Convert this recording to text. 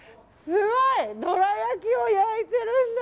すごい！どら焼きを焼いてるんだ。